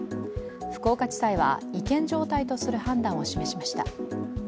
福岡地裁は違憲状態とする判断を示しました。